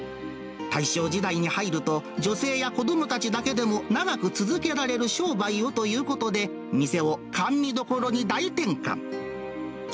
大正時代に入ると、女性や子どもたちだけでも長く続けられる商売をということで、店を甘味どころに大転換。